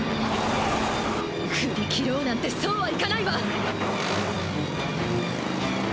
ふり切ろうなんてそうはいかないわ！